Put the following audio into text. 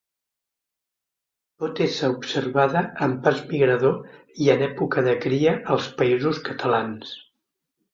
Pot ésser observada en pas migrador i en època de cria als Països Catalans.